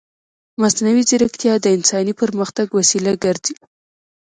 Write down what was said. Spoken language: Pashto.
مصنوعي ځیرکتیا د انساني پرمختګ وسیله ګرځي.